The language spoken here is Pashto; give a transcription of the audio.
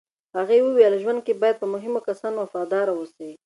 هغې وویل، ژوند کې باید په مهمو کسانو وفادار اوسې.